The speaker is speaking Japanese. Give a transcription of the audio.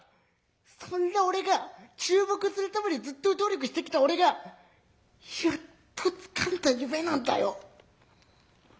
そんな俺が注目するためにずっと努力してきた俺がやっとつかんだ夢なんだよ」。